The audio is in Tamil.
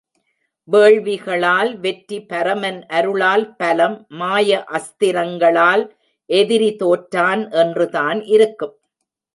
வேள்விகளால் வெற்றி, பரமன் அருளால் பலம், மாய அஸ்திரங்களால் எதிரி தோற்றான் என்றுதான் இருக்கும்.